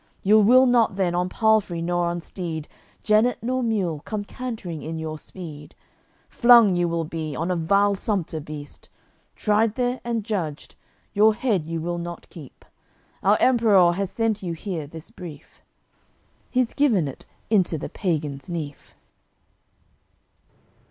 You will not then on palfrey nor on steed, Jennet nor mule, come cantering in your speed; Flung you will be on a vile sumpter beast; Tried there and judged, your head you will not keep. Our Emperour has sent you here this brief." He's given it into the pagan's nief.